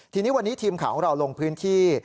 ทีนี้วันนี้ทีมข่าวของเราลงพื้นที่